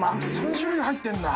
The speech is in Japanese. ３種類入ってんだ。